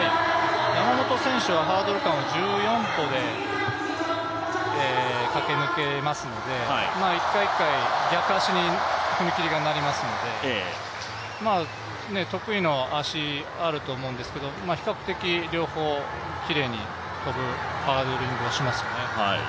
山本選手はハードル間を１４歩で駆け抜けますので１回１回逆足に踏み切りがなりますので得意の足、あると思うんですけど比較的、両方、きれいに跳ぶハードリングをしますよね。